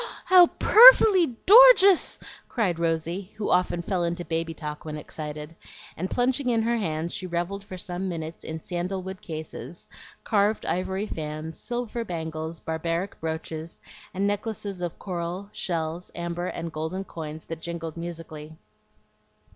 "How perf'ly dorgeous!" cried Rosy, who often fell into baby talk when excited; and plunging in her hands, she revelled for some minutes in sandal wood cases, carved ivory fans, silver bangles, barbaric brooches, and necklaces of coral, shells, amber, and golden coins, that jingled musically.